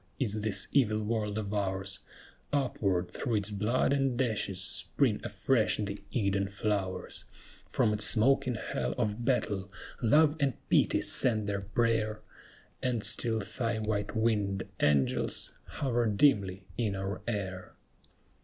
is this evil world of ours; Upward, through its blood and ashes, spring afresh the Eden flowers; From its smoking hell of battle, Love and Pity send their prayer, And still thy white winged angels hover dimly in our air!